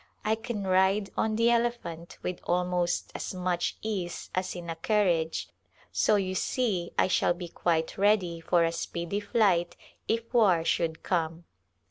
I can ride on the elephant with almost as much ease as in a carriage, so you see I shall be quite ready for a speedy flight if war should come.